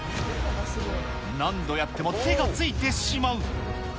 何度やっても手がついてしまう。